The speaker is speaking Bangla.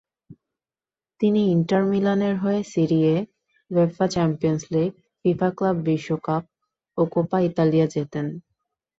তিনি ইন্টার মিলানের হয়ে Serie A, UEFA Champions League, FIFA club বিশ্বকাপ ও কোপা ইতালিয়া জেতেন।